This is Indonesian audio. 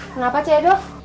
kenapa cik edo